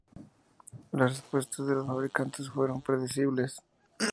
Las respuestas de los fabricantes fueron predecibles.